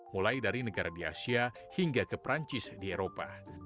mulai dari negara di asia hingga ke perancis di eropa